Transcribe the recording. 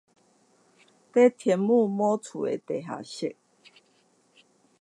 在天母某處的地下室